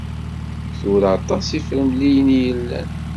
Tura aṭas ifremliyen i yellan.